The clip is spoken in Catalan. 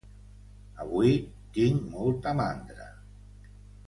Avui tinc molta mandra